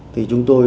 thì chúng tôi